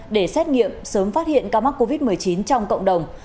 để xét nghiệm sớm phát hiện ca mắc covid một mươi chín trong cộng đồng